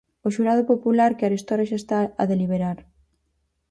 O xurado popular que arestora xa está a deliberar.